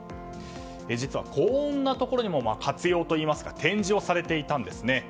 実は、こんなところにも活用といいますか展示されてたんですね。